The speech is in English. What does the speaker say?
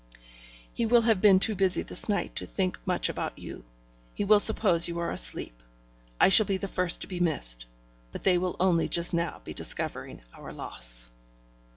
'He will have been too busy this night to think much about you he will suppose you are asleep I shall be the first to be missed; but they will only just now be discovering our loss.'